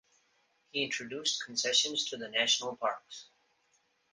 He introduced concessions to the national parks.